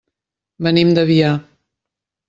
Venim d'Avià.